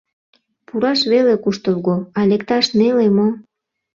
Пураш веле куштылго, а лекташ неле мо?